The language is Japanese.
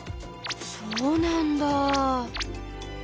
そうなんだぁ。